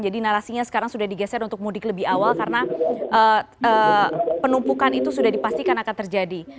jadi narasinya sekarang sudah digeser untuk mudik lebih awal karena penumpukan itu sudah dipastikan akan terjadi